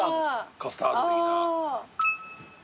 カスタード的な。